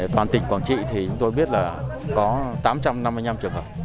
toàn tỉnh quảng trị thì chúng tôi biết là có tám trăm năm mươi năm trường hợp